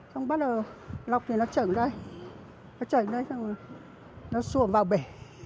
xong bắt đầu lọc thì nó trởng đây nó trởng đây xong rồi nó xuộm vào bể